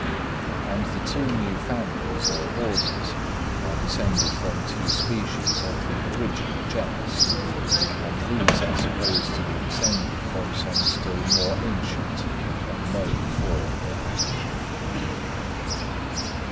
And the two new families, or orders, are descended from two species of the original genus; and these are supposed to be descended from some still more ancient and unknown form.